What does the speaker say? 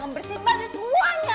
bersihin baju semuanya